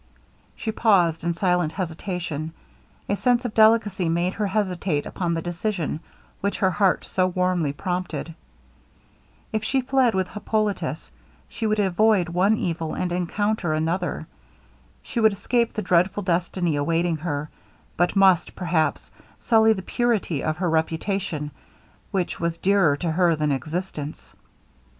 She paused in silent hesitation. A sense of delicacy made her hesitate upon the decision which her heart so warmly prompted. If she fled with Hippolitus, she would avoid one evil, and encounter another. She would escape the dreadful destiny awaiting her, but must, perhaps, sully the purity of that reputation, which was dearer to her than existence.